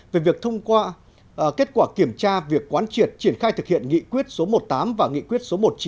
về việc thông qua kết quả kiểm tra việc quán triệt triển khai thực hiện nghị quyết số một mươi tám và nghị quyết số một mươi chín